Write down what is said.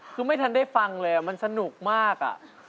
คือไม่ทันได้ฟังเลยมันสนุกมาก